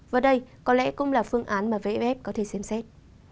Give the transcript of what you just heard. và đây có lẽ cũng là phương án mà vff có thể xem xét